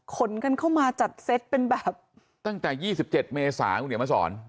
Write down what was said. ขนกันเข้ามาจัดเซ็ตเป็นแบบตั้งแต่ยี่สิบเจ็ดเมษาคุณเนี่ยมาสอน